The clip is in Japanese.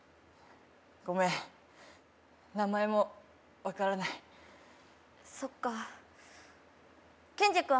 ごめん名前も分からないそっかケンジ君